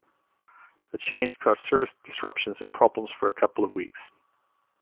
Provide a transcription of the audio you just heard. The change caused service disruptions and problems for a couple of weeks.